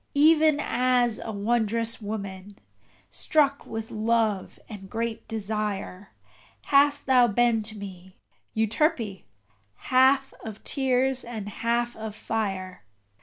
Even as a wondrous woman, struck with love and great desire, Hast thou been to me, Euterpe! half of tears and half of fire.